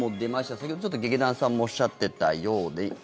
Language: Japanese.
先ほどちょっと劇団さんもおっしゃっていたように。